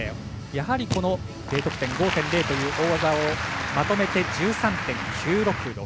やはり、Ｄ得点５という大技をまとめて１３．９６６。